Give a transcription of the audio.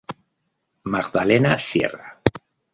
Magdalena Sierra.